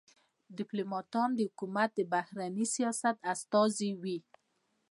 ډيپلوماټان د حکومت د بهرني سیاست استازي وي.